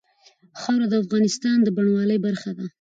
خاوره د افغانستان د بڼوالۍ برخه ده.